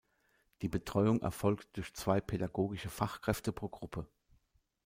Die Betreuung erfolgt durch zwei pädagogische Fachkräfte pro Gruppe.